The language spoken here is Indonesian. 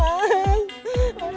mas bangun mas